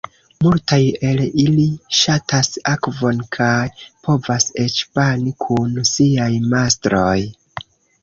Multaj el ili ŝatas akvon kaj povas eĉ bani kun siaj mastroj.